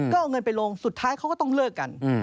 ก็เอาเงินไปลงสุดท้ายเขาก็ต้องเลิกกัน